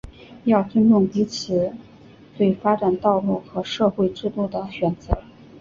要尊重彼此对发展道路和社会制度的选择